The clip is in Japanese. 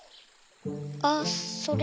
あっそれ。